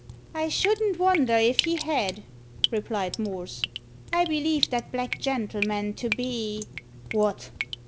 "I shouldn't wonder if he had," replied Morse. "I believe that black gentleman to be " "What!